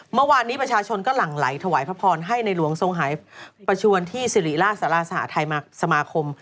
เมื่อวานนี้ประชาชนก็หลั่งไหลถวายพระพรให้ในหลวงทรงหายประชวนที่สิริราชสารสหทัยสมาคม